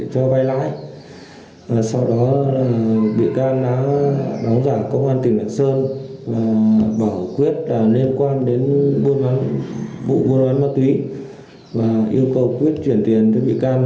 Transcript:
hùng bảo quyết liên quan đến vụ vô đoán ma túy và yêu cầu quyết chuyển tiền cho vị can